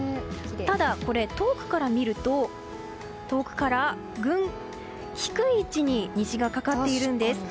ただ、遠くから見ると低い位置に虹がかかっているんです。